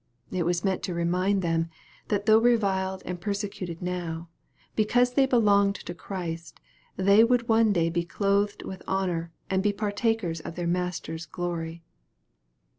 It was meant to remind them, that though reviled and persecuted now, because they belonged to Christ, they would one day be clothed with honor, and be partakers of their Master's glory.